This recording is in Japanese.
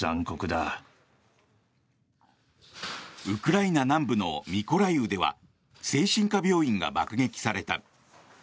ウクライナ南部のミコライウでは精神科病院が爆撃された。